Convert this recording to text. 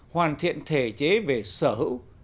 hoàn thiện thể chế về sở hữu